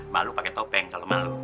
malu pakai topeng kalau malu